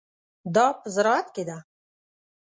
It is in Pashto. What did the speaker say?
دا په زراعت کې ده.